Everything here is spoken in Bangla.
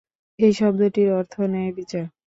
এই শব্দটির অর্থ ন্যায়বিচার।